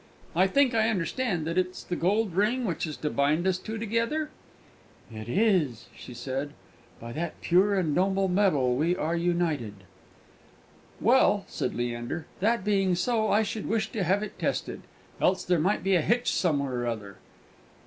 I think I understand that it's the gold ring which is to bind us two together?" "It is," she said; "by that pure and noble metal are we united." "Well," said Leander, "that being so, I should wish to have it tested, else there might be a hitch somewhere or other."